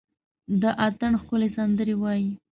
د اټن ښکلي سندره وايي،